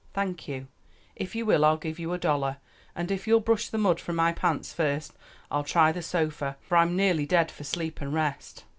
"Thank you; if you will I'll give you a dollar. And if you'll brush the mud from my pants first, I'll try the sofa; for I'm nearly dead for sleep and rest."